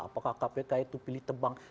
apakah kpk itu pilih tebang